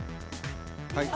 はい。